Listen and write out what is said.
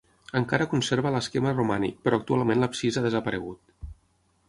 Encara conserva l'esquema romànic però actualment l'absis ha desaparegut.